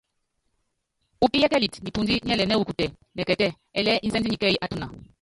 Upíyɛ́kɛlɛt nipundí niɛ́lɛnɛ́ wɔ́ kutɛ nɛkɛtɛ́ ɛlɛɛ́ insɛ́nd nyɛ kɛ́ɛ́y á tuna.